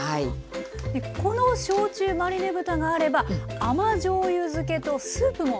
でこの焼酎マリネ豚があれば甘じょうゆ漬けとスープもできるんですね。